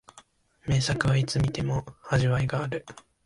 名作はいつ観ても味わいがある